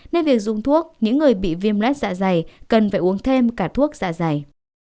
nên việc dùng thuốc những người bị viêm lết dạ dày cần phải uống thêm cả thuốc dạ dày